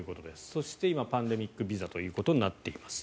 そして今、パンデミックビザとなっています。